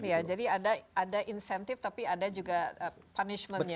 ya jadi ada incentive tapi ada juga punishmentnya